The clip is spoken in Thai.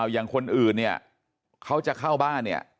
อย่างคนอื่นเนี่ยเขาจะเข้าบ้านเนี่ย